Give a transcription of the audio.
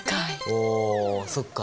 おそっか。